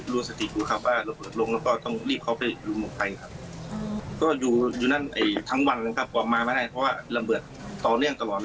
โหสภาพเป็นอย่างงี้หรออื้อนี่มันลงเต็มนี่ว่ะเต็มสิ